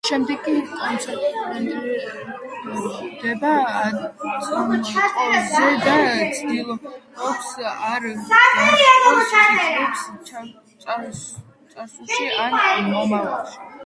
შემდეგ კი კონცენტრირდება აწმყოზე და ცდილობს არ გაჰყვეს ფიქრებს წარსულში, ან მომავალში.